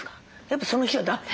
やっぱその日はだめ？